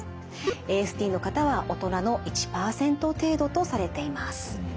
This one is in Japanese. ＡＳＤの方は大人の１％程度とされています。